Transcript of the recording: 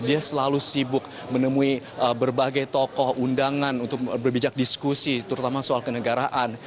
dia selalu sibuk menemui berbagai tokoh undangan untuk berbijak diskusi terutama soal kenegaraan